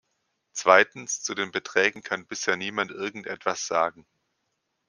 Zweitens, zu den Beträgen kann bisher niemand irgend etwas sagen.